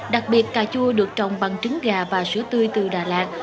đặc biệt cà chua được trồng bằng trứng gà và sữa tươi từ đà lạt